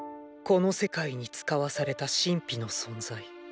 この世界に遣わされた神秘の存在。